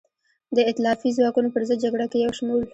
د ایتلافي ځواکونو پر ضد جګړه کې یو شول.